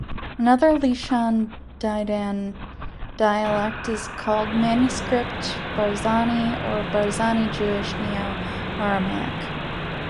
Another Lishan Didan dialect is called Manuscript Barzani or Barzani Jewish Neo-Aramaic.